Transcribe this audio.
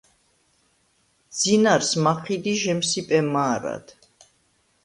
ძინარს მაჴიდ ი ჟემსიპე მა̄რად.